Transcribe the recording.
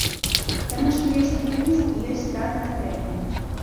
Таму што ёсць механізм і ёсць страты на трэнні.